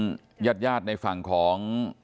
ญาติญาติในฝั่งของ